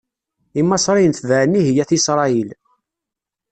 Imaṣriyen tebɛen ihi At Isṛayil.